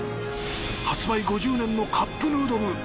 発売５０年のカップヌードル。